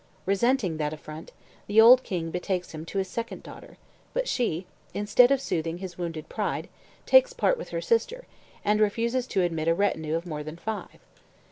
Resenting that affront, the old king betakes him to his second daughter; but she, instead of soothing his wounded pride, takes part with her sister, and refuses to admit a retinue of more than five.